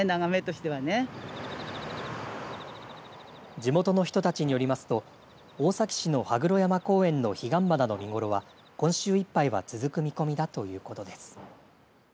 地元の人たちによりますと大崎市の羽黒山公園の彼岸花の見頃は今週いっぱいは続く見込みだということです。